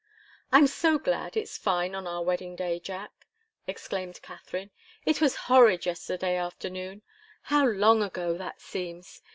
"I'm so glad it's fine on our wedding day, Jack!" exclaimed Katharine. "It was horrid yesterday afternoon. How long ago that seems!